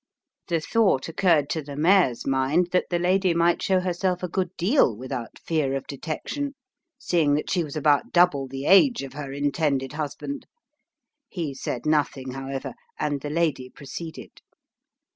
The thought occurred to the mayor's mind that the lady might show herself a good deal without fear of detection; seeing that she was about double the age of her intended husband. He said nothing, however, and the lady proceeded.